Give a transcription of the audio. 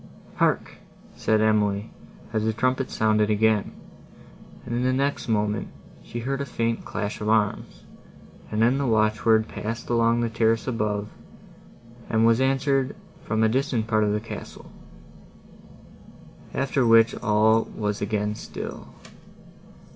"Hark!" said Emily, as the trumpet sounded again; and, in the next moment, she heard a faint clash of arms, and then the watchword passed along the terrace above, and was answered from a distant part of the castle; after which all was again still.